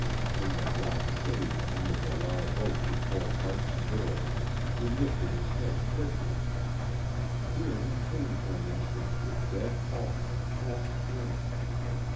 In the black shade under the live oak before Harte's door he lifted his head quickly; here he came for an instant to a dead halt, half turning.